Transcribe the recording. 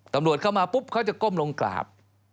ตำรวจเข้ามาปุ๊บเขาจะก้มลงกราบ